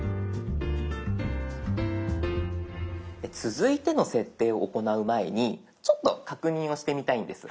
続いての設定を行う前にちょっと確認をしてみたいんです。